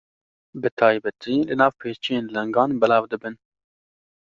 Bi taybetî li nav pêçiyên lingan belav dibin.